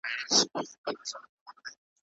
را روان په شپه كـي سـېـل دى